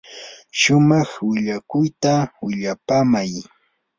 shumaq willakuyta willapaamay.